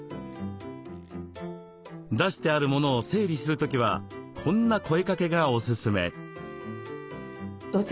出してある物を整理する時はこんな声かけがおすすめ。